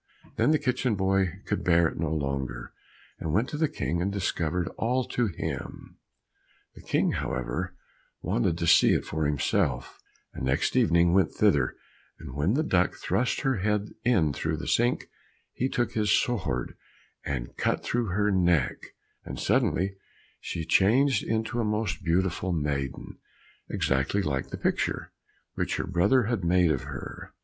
Then the kitchen boy could bear it no longer, and went to the King and discovered all to him. The King, however, wanted to see it for himself, and next evening went thither, and when the duck thrust her head in through the sink, he took his sword and cut through her neck, and suddenly she changed into a most beautiful maiden, exactly like the picture, which her brother had made of her.